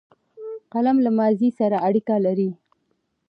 قلم له ماضي سره اړیکه لري